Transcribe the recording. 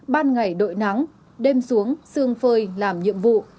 ban ngày đội nắng đêm xuống xương phơi làm nhiệm vụ